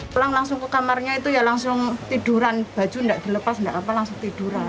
pulang langsung ke kamarnya itu ya langsung tiduran baju tidak dilepas nggak apa apa langsung tiduran